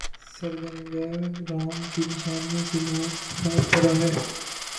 سرگنگا رام کی نشانیوں سے لاہور بھرا پڑا ہے۔